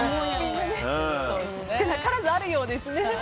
少なからずあるようですね。